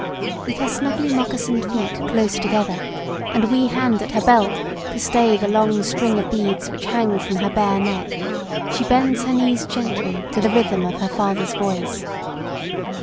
With her snugly moccasined feet close together, and a wee hand at her belt to stay the long string of beads which hang from her bare neck, she bends her knees gently to the rhythm of her father's voice.